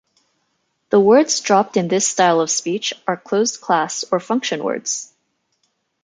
The words dropped in this style of speech are closed class or function words.